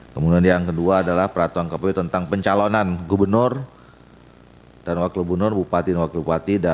kemudian yang kedua adalah peraturan kpu tentang pencalonan gubernur dan wakil gubernur bupati dan wakil bupati